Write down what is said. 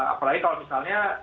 apalagi kalau misalnya